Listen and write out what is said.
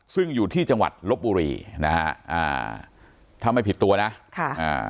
ซึ่งอยู่ที่จังหวัดลบบุรีนะฮะอ่าถ้าไม่ผิดตัวนะค่ะอ่า